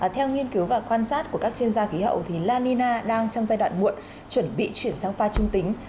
theo nghiên cứu và quan sát của các chuyên gia khí hậu la nina đang trong giai đoạn muộn chuẩn bị chuyển sang pha trung tính